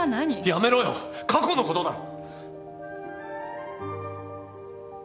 やめろよ過去のことだろ。